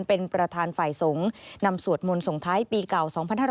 เป็นประธานฝ่ายสงฆ์นำสวดมนต์ส่งท้ายปีเก่า๒๕๖๒